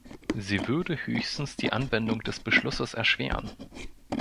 Sie würde höchstens die Anwendung des Beschlusses erschweren.